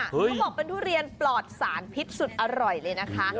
เขาบอกเป็นทุเรียนปลอดสารพิษสุดอร่อยเลยนะคะ